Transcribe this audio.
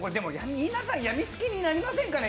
皆さんやみつきになりませんかね